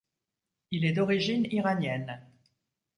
Il est d'origine iranienne.